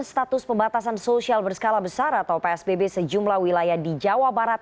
status pembatasan sosial berskala besar atau psbb sejumlah wilayah di jawa barat